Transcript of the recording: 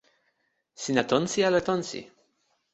sina tonsi ala tonsi?